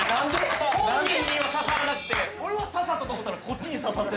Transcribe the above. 本人には刺さらなくてこれは刺さったと思ったらこっちに刺さってて。